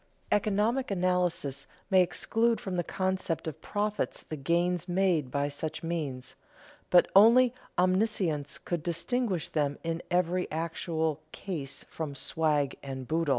Economic analysis may exclude from the concept of profits the gains made by such means, but only omniscience could distinguish them in every actual case from "swag and boodle."